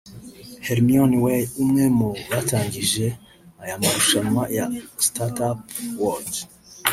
Hermione Way umwe mu batangije aya marushanwa ya Startup World